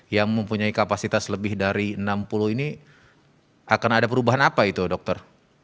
yang mempunyai kapasitas lebih dari enam puluh ini akan ada perubahan apa itu dokter